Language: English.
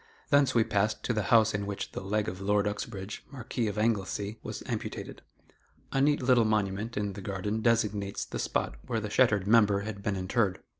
Thence we passed to the house in which the leg of Lord Uxbridge (Marquis of Anglesey) was amputated. A neat little monument in the garden designates the spot where the shattered member had been interred.